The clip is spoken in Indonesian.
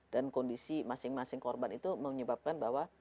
dan kondisi masing masing korban itu menyebabkan bahwa